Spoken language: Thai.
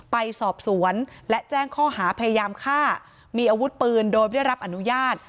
ไปสอบสวนและแจ้งข้อหาพยายามฆ่ามีอาวุธปืนโดยไม่ได้รับอนุญาต